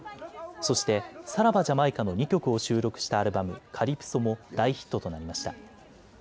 そして、さらばジャマイカの２曲を収録したアルバム、カリプソも大ヒットとなりました。